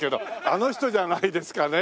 あの人じゃないですかね